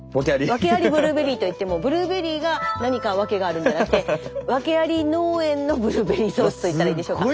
ワケありブルーベリーといってもブルーベリーが何かワケがあるんではなくてワケあり農園のブルーベリーソースといったらいいでしょうか。